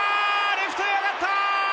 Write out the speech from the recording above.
レフトへ上がったー！